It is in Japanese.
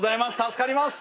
助かります！